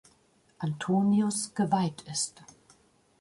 Antonius geweiht ist.